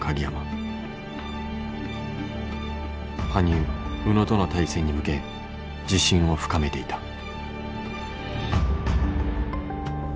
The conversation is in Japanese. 羽生宇野との対戦に向け自信を深めていた。